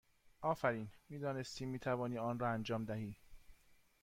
آفرین! می دانستیم می توانی آن را انجام دهی!